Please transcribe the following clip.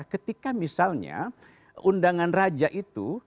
ketika misalnya undangan raja itu